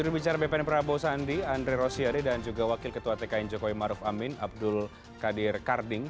juru bicara bpn prabowo sandi andri rosiade dan juga wakil ketua tkn jokowi maruf amin abdul kadir karding